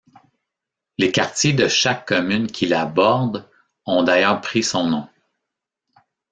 Les quartiers de chaque commune qui la bordent ont d'ailleurs pris son nom.